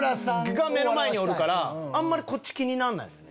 が目の前におるからあんまりこっち気になんないのね。